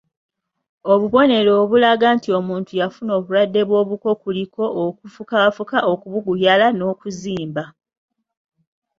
Obubonero obulaga nti omuntu yafuna obulwadde bw'obuko kuliko; okufukaafuka, okubuguyala n'okuzimba.